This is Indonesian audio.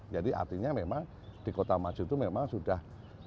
jadi artinya memang di kota maju itu memang sudah